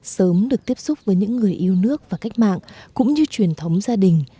sớm được tiếp xúc với những người yêu nước và cách mạng cũng như truyền thống gia đình